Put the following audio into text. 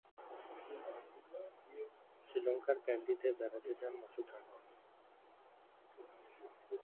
শ্রীলংকার ক্যান্ডিতে বেড়াতে যান মাসুদ রানা।